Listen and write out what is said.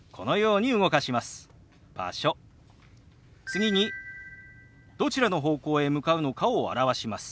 次にどちらの方向へ向かうのかを表します。